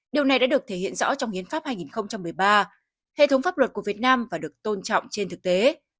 điều này đã được thể hiện rõ trong hiến pháp hai nghìn một mươi ba hệ thống pháp luật của việt nam và được tôn trọng trên thực tế